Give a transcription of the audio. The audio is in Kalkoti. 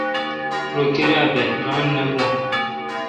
رو کیرا بھ ران نہ بھو۔